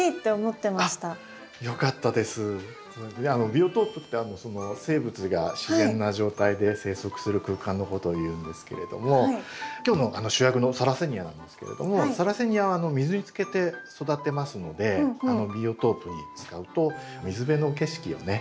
ビオトープって生物が自然な状態で生息する空間のことをいうんですけれども今日の主役のサラセニアなんですけれどもサラセニアは水につけて育てますのでビオトープに使うと水辺の景色をね